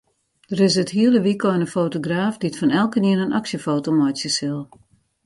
Der is it hiele wykein in fotograaf dy't fan elkenien in aksjefoto meitsje sil.